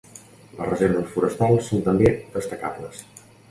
Les reserves forestals són també destacables.